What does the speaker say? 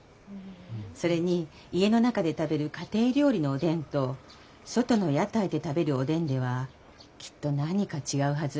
それに家の中で食べる家庭料理のおでんと外の屋台で食べるおでんではきっと何か違うはず。